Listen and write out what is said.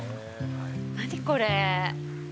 何これ。